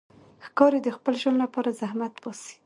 ښکاري د خپل ژوند لپاره زحمت باسي.